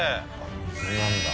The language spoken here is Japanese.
水なんだ。